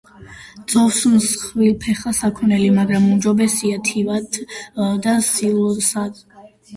ძოვს მსხვილფეხა საქონელი, მაგრამ უმჯობესია თივად და სილოსად.